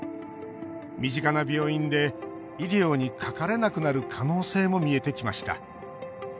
身近な病院で医療にかかれなくなる可能性も見えてきました。